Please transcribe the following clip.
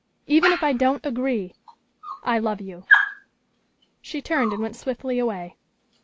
Even if I don't agree, I love you." She turned and went swiftly away.